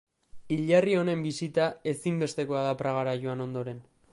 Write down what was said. Hilerri honen bisita ezinbestekoa da Pragara joan ondoren.